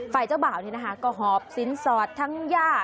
ฝ่ายเจ้าบ่าวนี่นะคะก็หอบสินสอดทั้งย่า